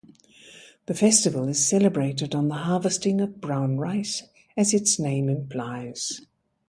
The festival is celebrated on the harvesting of brown rice as its name implies.